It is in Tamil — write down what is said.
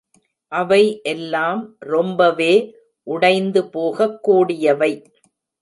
அவை எல்லாம் ரொம்பவே உடைந்துபோகக் கூடியவை.